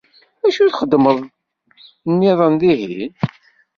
Acu i txedmeḍ-nniḍen dihin?